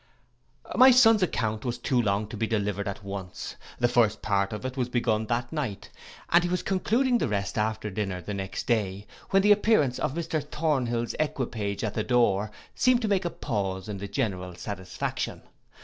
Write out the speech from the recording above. My son's account was too long to be delivered at once, the first part of it was begun that night, and he was concluding the rest after dinner the next day, when the appearance of Mr Thornhill's equipage at the door seemed to make a pause in the general satisfaction.